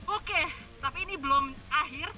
oke tapi ini belum akhir